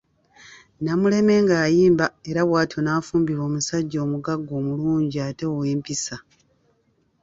Namuleme ng’ayimba era bw'atyo n'afumbirwa omusajja omugagga omulungi ate ow’empisa.